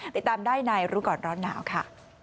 ติดตามได้ในรู้ก่อนร้อนหนาวค่ะ